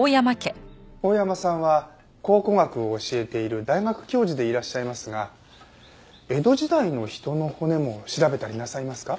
大山さんは考古学を教えている大学教授でいらっしゃいますが江戸時代の人の骨も調べたりなさいますか？